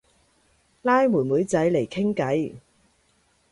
拉妹妹仔嚟傾偈